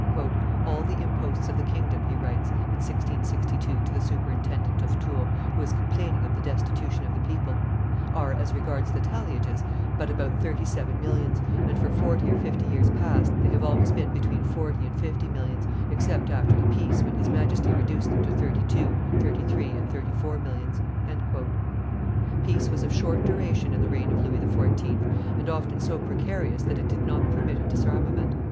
"All the imposts of the kingdom," he writes, in 1662, to the superintendent of Tours, who is complaining of the destitution of the people, "are, as regards the talliages, but about thirty seven millions, and, for forty or fifty years past, they have always been between forty and fifty millions, except after the peace, when his Majesty reduced them to thirty two, thirty three, and thirty four millions." Peace was of short duration in the reign of Louis XIV., and often so precarious that it did not permit of disarmament.